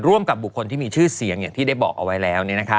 กับบุคคลที่มีชื่อเสียงอย่างที่ได้บอกเอาไว้แล้ว